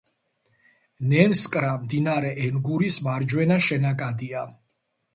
ნენსკრა მდინარე ენგურის მარჯვენა შენაკადია.